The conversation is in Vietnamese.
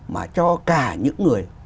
mà cho cả những người